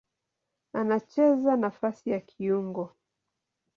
Anacheza nafasi ya kiungo.